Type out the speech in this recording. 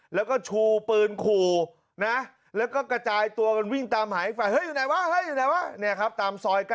แล้วก็ชูปืนขู่นะแล้วก็กระจายตัวกันวิ่งตามหายฝ่าย